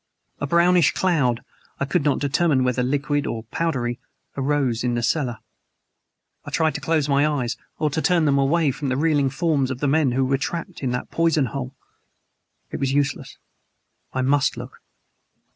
A brownish cloud I could not determine whether liquid or powdery arose in the cellar. I tried to close my eyes or to turn them away from the reeling forms of the men who were trapped in that poison hole. It was useless: I must look.